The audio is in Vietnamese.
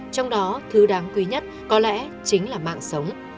trong đó thứ đáng quý nhất có lẽ chính là mạng sống